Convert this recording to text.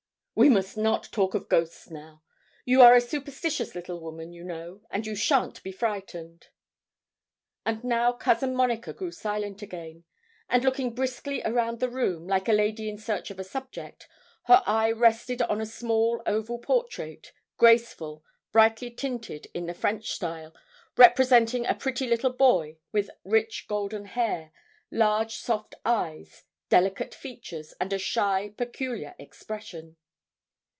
'We must not talk of ghosts now. You are a superstitious little woman, you know, and you shan't be frightened.' And now Cousin Monica grew silent again, and looking briskly around the room, like a lady in search of a subject, her eye rested on a small oval portrait, graceful, brightly tinted, in the French style, representing a pretty little boy, with rich golden hair, large soft eyes, delicate features, and a shy, peculiar expression.